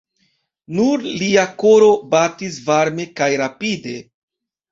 Nur lia koro batis varme kaj rapide.